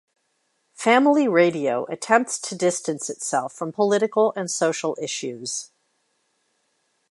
Family Radio attempts to distance itself from political and social issues.